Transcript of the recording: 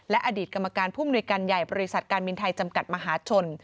และอดีตกรรมการผู้มนุยการใหญ่บริษัทการบินไทยจำกัดมหาชน